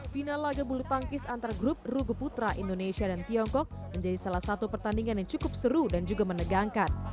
final laga bulu tangkis antar grup rugu putra indonesia dan tiongkok menjadi salah satu pertandingan yang cukup seru dan juga menegangkan